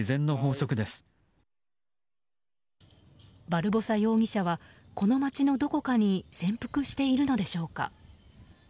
バルボサ容疑者はこの街のどこかに潜伏しているのでしょうか。